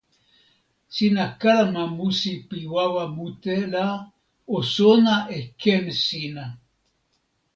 sina kalama musi pi wawa mute la o sona e ken sina!